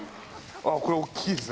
ああ、これ大きいですね。